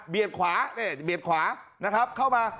เบียดขวานะครับเบียดขวานะครับเข้ามา